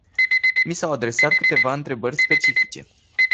Mi s-au adresat câteva întrebări specifice.